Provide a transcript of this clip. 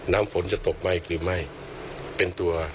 น้ำฝนจะตกไหม้หรือไม่เป็นตัว